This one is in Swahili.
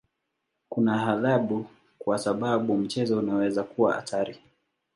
Kuna adhabu kwa sababu mchezo unaweza kuwa hatari.